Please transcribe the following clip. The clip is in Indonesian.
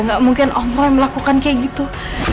gak mungkin om roy melakukan kayak gitu